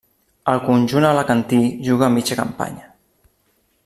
Al conjunt alacantí juga mitja campanya.